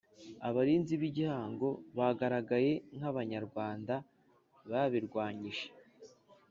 Abarinzi b’Igihango bagaragaye nk’Abanyarwanda babirwanyije